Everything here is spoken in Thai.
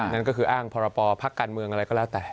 นั่นก็คืออ้างพรปพักการเมืองอะไรก็แล้วแต่